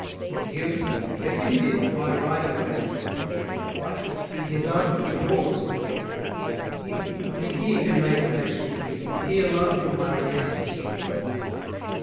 He gives, and let him give, my right away: But why should he his own and yours betray? He, only he, can make the nation bleed, And he alone from my revenge is freed.